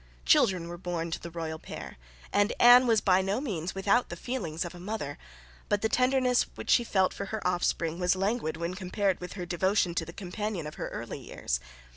Children were born to the royal pair: and Anne was by no means without the feelings of a mother. But the tenderness which she felt for her offspring was languid when compared with her devotion to the companion of her early years.